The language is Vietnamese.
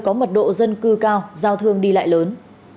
có mật độ dân cư cao giao thương đi lại lớn